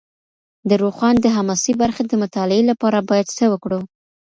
د روښان د حماسي برخې د مطالعې لپاره باید څه وکړو؟